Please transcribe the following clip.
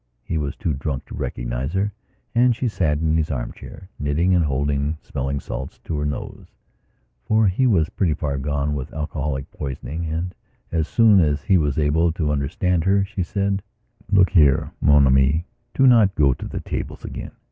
He was too drunk to recognize her, and she sat in his arm chair, knitting and holding smelling salts to her nosefor he was pretty far gone with alcoholic poisoningand, as soon as he was able to understand her, she said: "Look here, mon ami, do not go to the tables again.